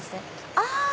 あ！